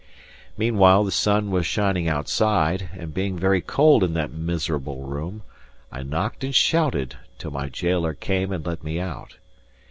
Meanwhile the sun was shining outside; and being very cold in that miserable room, I knocked and shouted till my gaoler came and let me out.